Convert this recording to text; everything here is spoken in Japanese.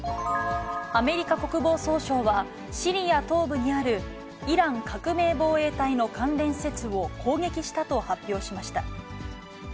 アメリカ国防総省は、シリア東部にあるイラン革命防衛隊の関連施設を攻撃したと発表しました。